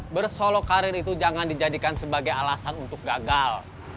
bersolok karir itu jangan dijadikan sebagai alasan untuk gagal